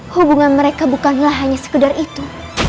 hubungan mereka bukanlah hanya sekedar itu